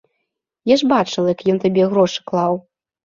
Я ж бачыла, як ён табе грошы клаў.